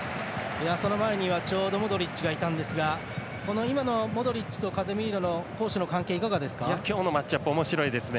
その前には、ちょうどモドリッチがいたんですがモドリッチとカゼミーロのコンビネーションはどうですか？